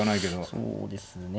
そうですね